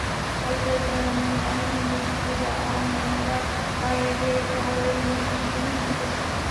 খালি পায়ে পানি ভাইঙ্গা ইস্কুলে আওনে আমরার পাওয়ের মধ্যে চুলকানি অইতাছে।